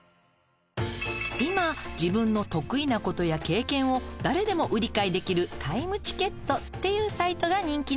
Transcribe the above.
今自分の得意なことや経験を誰でも売り買いできるタイムチケットというサイトが人気なの。